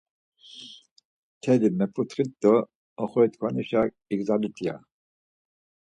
Mtelli meputxit do oxotkvanişa igzalit ya.